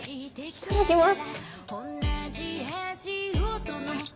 いただきます。